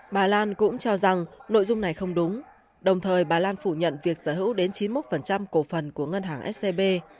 bà lan cũng cho rằng nội dung này không đúng đồng thời bà lan phủ nhận việc sở hữu đến chín mươi một cổ phần của ngân hàng scb